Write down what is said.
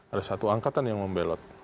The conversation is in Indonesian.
ada satu angkatan yang membelot